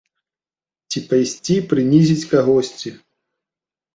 Ці пайсці прынізіць кагосьці?